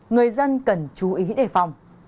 người dân cần chú ý đề phòng